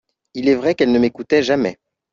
Il est vrai qu'elle ne m'écoutait jamais.